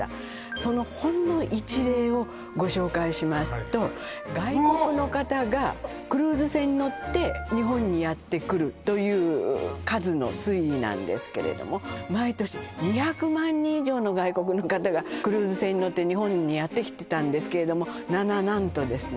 そのほんの一例をご紹介しますと外国の方がクルーズ船に乗って日本にやってくるという数の推移なんですけれども毎年２００万人以上の外国の方がクルーズ船に乗って日本にやってきてたんですけれどもなななんとですね